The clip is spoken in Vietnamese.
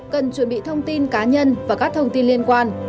cần chuẩn bị thông tin cá nhân và các thông tin liên quan